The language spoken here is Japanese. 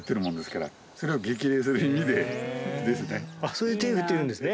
それで手振ってるんですね。